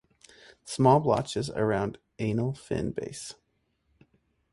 Small blotches around anal fin base.